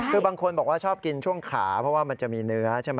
คือบางคนบอกว่าชอบกินช่วงขาเพราะว่ามันจะมีเนื้อใช่ไหม